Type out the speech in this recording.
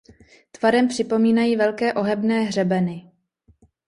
Tvarem připomínají velké ohebné hřebeny.